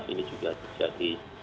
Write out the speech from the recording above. ini juga terjadi